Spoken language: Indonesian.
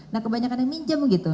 nah kebanyakan yang minjem gitu